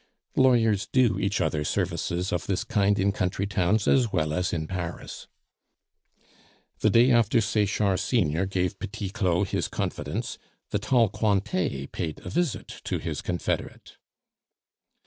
Lawyers do each other services of this kind in country towns as well as in Paris. The day after Sechard senior gave Petit Claud his confidence, the tall Cointet paid a visit to his confederate.